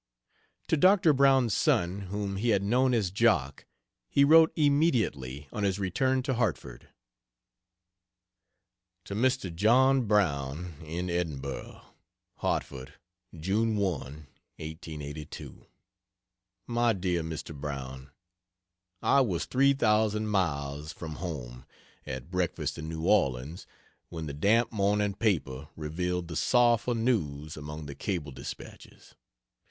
To Doctor Brown's son, whom he had known as "Jock," he wrote immediately on his return to Hartford. To Mr. John Brown, in Edinburgh HARTFORD, June 1, 1882. MY DEAR MR. BROWN, I was three thousand miles from home, at breakfast in New Orleans, when the damp morning paper revealed the sorrowful news among the cable dispatches.